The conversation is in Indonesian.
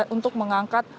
untuk mengangkut pesawat ini